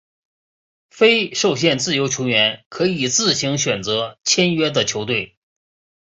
非受限自由球员可以自行选择签约的球队。